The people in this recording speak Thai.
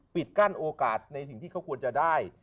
ปิดกั้นโอกาสในสิ่งที่เขาควรจะได้